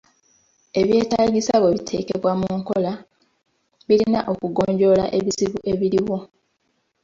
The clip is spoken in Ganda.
Ebyetaagisa bwe biteekebwa mu nkola birina okugonjoola ebizibu ebiriwo.